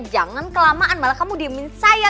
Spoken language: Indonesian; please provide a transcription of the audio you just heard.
jangan kelamaan malah kamu diemin saya